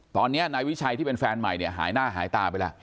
ตอนนี้นายวิชัยที่เป็นแฟนใหม่เนี่ยหายหน้าหายตาไปแล้ว